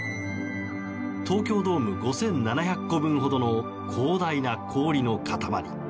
東京ドーム５７００個分ほどの広大な氷の塊。